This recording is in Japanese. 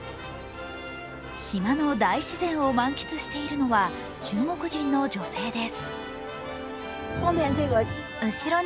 島の大自然を満喫しているのは中国人の女性です。